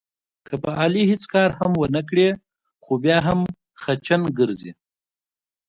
که په علي هېڅ کار هم ونه کړې، خو بیا هم خچن ګرځي.